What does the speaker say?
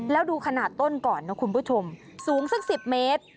แล้วดูขนาดต้นก่อนนะคุณผู้ชมสูงสัก๑๐เมตร